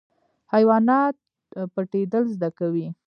حیوانات پټیدل زده کوي